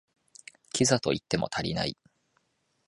キザと言っても足りない